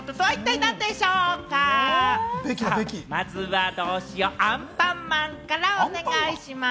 まずはアンパンマンからお願いします。